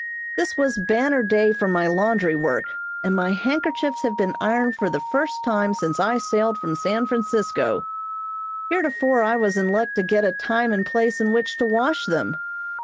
This was banner day for my laundry work, and my handkerchiefs have been ironed for the first time since I sailed from San Francisco. Heretofore I was in luck to get a time and place in which to wash them.